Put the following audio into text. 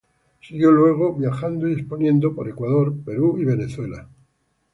Siguió luego viajando y exponiendo por Ecuador, Perú y Venezuela.